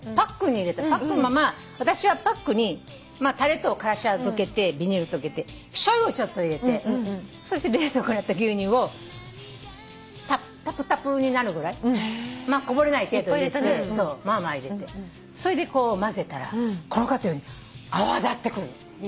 パックのまま私はパックにたれとからしはどけてビニールどけてしょうゆをちょっと入れてそして冷蔵庫にあった牛乳をたぷたぷになるぐらいこぼれない程度入れてまあまあ入れてそれで混ぜたらこの方言うように泡立ってくる。